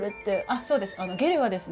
あっそうです。